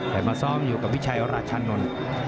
แต่มาซ้อมอยู่กับวิชัยราชานนท์